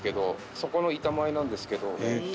そこの板前なんですけど。